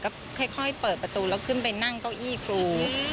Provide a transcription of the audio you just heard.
ก็ค่อยเปิดประตูแล้วขึ้นไปนั่งเก้าอี้ครู